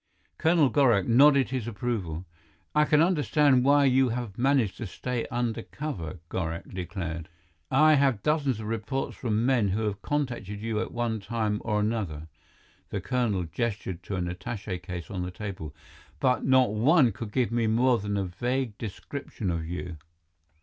Colonel Gorak nodded his approval. "I can understand why you have managed to stay undercover," Gorak declared. "I have dozens of reports from men who have contacted you at one time or another" the colonel gestured to an attache case on the table "but not one could give more than a vague description of you."